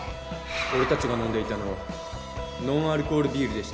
俺達が飲んでいたのはノンアルコールビールでした